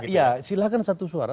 ya silahkan satu suara